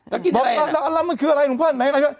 แล้วกินอะไรนะแล้วแล้วแล้วมันคืออะไรหลวงพ่อไหนไหน